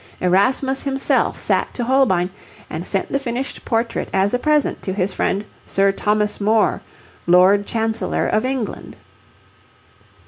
Erasmus himself sat to Holbein, and sent the finished portrait as a present to his friend Sir Thomas More, Lord Chancellor of England.